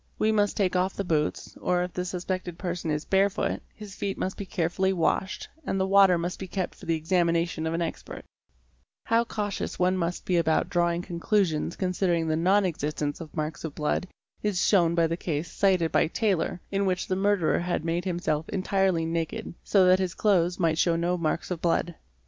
We must take off the boots, or if the suspected person is barefoot, his feet must be carefully washed, and the water must be kept for the examina tion of an expert®®, How cautious one must be about drawing conclusions concerning the non existence of marks of blood is shewn by the case cited by Taylor in which the murderer had made himself entirely naked, so that his clothes might show no marks of blood.